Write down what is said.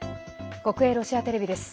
国営ロシアテレビです。